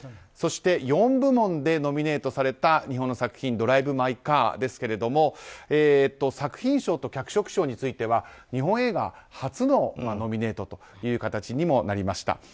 そして４部門でノミネートされた日本の作品「ドライブ・マイ・カー」ですが作品賞と脚色賞については日本映画初のノミネートという形にもなりました。